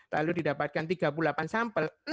lalu didapatkan tiga puluh delapan sampel